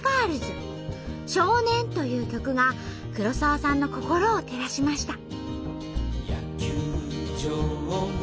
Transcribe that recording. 「少年」という曲が黒沢さんの心を照らしました。